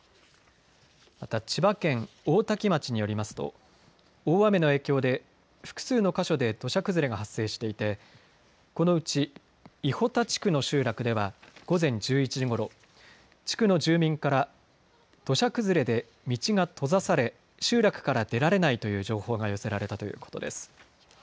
また千葉県大多喜町によりますと大雨の影響で複数の箇所で土砂崩れが発生していてこのうち伊保田地区の集落では午前１１時ごろ、地区の住民から土砂崩れで道が閉ざされ集落から出られないという情報が寄せられたということです。